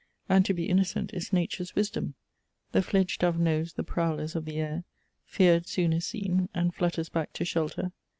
And to be innocent is Nature's wisdom! The fledge dove knows the prowlers of the air, Feared soon as seen, and flutters back to shelter.